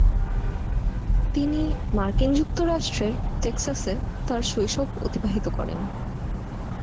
তিনি মার্কিন যুক্তরাষ্ট্রের টেক্সাসে তার শৈশব অতিবাহিত করেন।